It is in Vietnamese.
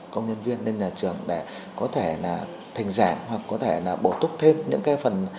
công nhân viên lên nhà trường để có thể là thành giảng hoặc có thể là bổ túc thêm những cái phần